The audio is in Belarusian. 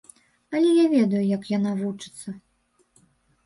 Але я ведаю, як яна вучыцца.